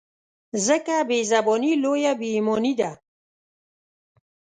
ځکه بې زباني لویه بې ایماني ده.